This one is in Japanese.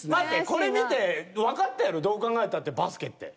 これ見てわかったやろどう考えたってバスケって。